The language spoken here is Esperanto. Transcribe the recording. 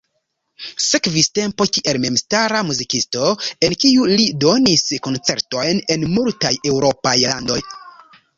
Sekvis tempo kiel memstara muzikisto, en kiu li donis koncertojn en multaj eŭropaj landoj.